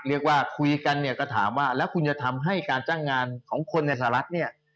เรียกว่าคุยกันเนี่ยก็ถามว่าแล้วคุณจะทำให้การจ้างงานของคนในสหรัฐเนี่ย